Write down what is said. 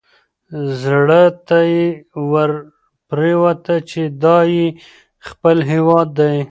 زړه ته یې ورپرېوته چې دا یې خپل هیواد دی.